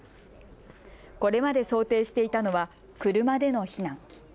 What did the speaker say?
これまで想定していたのは車での避難。